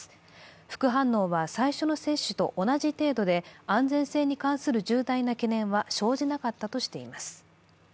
副反応は最初の接種と同じ程度で安全性に関する重大な懸念は生じなかったとしています。